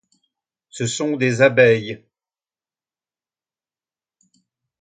Ce sont des abeilles.